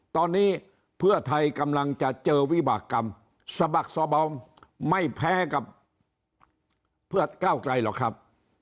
ตอนนี้เพื่อไทยกำลังจะเจอวิบากรรมสะบักสบอมไม่แพ้กับเพื่อก้าวไกลหรอกครับ